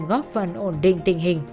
góp phần ổn định tình hình